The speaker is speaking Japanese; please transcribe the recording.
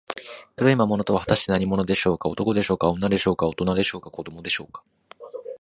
黒い魔物とは、はたして何者でしょうか。男でしょうか、女でしょうか、おとなでしょうか、子どもでしょうか。